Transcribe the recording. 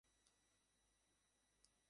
তোমার এক হাত নেই।